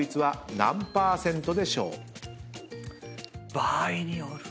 場合による。